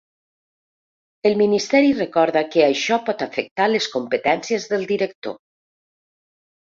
El ministeri recorda que això pot afectar les competències del director.